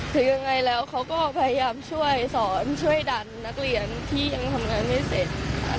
คือยังไงแล้วเขาก็พยายามช่วยสอนช่วยดันนักเรียนที่ยังทำงานไม่เสร็จ